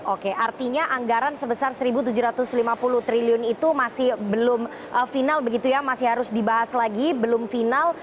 oke artinya anggaran sebesar rp satu tujuh ratus lima puluh triliun itu masih belum final begitu ya masih harus dibahas lagi belum final